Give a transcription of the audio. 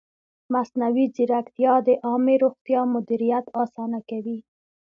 مصنوعي ځیرکتیا د عامې روغتیا مدیریت اسانه کوي.